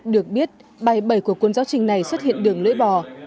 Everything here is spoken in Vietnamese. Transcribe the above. được biết bài bảy của cuốn giáo trình này xuất hiện đường lưỡi bò